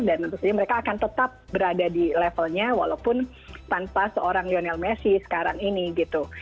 dan tentu saja mereka akan tetap berada di levelnya walaupun tanpa seorang lionel messi sekarang ini gitu